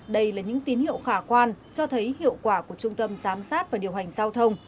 đây là những tín hiệu khả quan cho thấy hiệu quả của trung tâm giám sát và điều hành giao thông